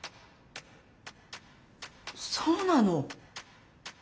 そうなの。